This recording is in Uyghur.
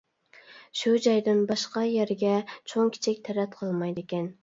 شۇ جايدىن باشقا يەرگە چوڭ-كىچىك تەرەت قىلمايدىكەن.